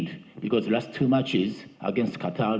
dan walaupun mereka hanya sepuluh pemain